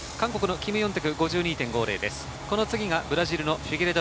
韓国のキム・ヨンテクが５２．５０です。